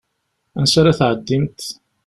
Ansa ara tɛeddimt?